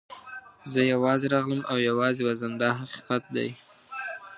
زه یوازې راغلم او یوازې به ځم دا حقیقت دی.